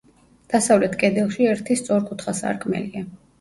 დასავლეთ კედელში ერთი სწორკუთხა სარკმელია.